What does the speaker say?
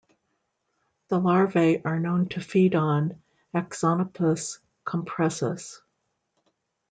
The larvae are known to feed on "Axonopus compressus".